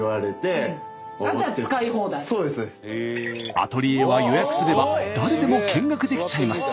アトリエは予約すれば誰でも見学できちゃいます。